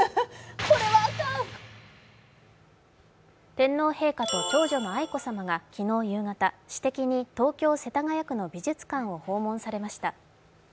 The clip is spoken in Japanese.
天皇陛下と長女の愛子さまが昨日夕方、私的に東京・世田谷区の美術館を訪問されました。